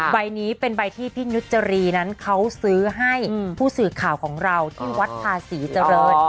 ใบนี้เป็นใบที่พี่นุจรีนั้นเขาซื้อให้ผู้สื่อข่าวของเราที่วัดภาษีเจริญ